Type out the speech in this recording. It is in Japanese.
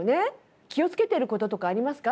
気をつけてることとかありますか？